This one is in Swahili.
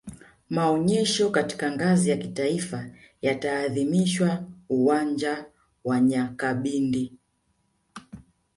maonyesho katika ngazi ya kitaifa yataadhimishwa uwanja wa nyakabindi